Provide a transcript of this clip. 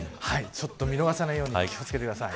見逃さないように気を付けてください。